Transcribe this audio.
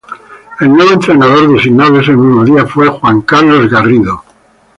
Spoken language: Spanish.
El nuevo entrenador, designado ese mismo día, fue Juan Carlos Garrido.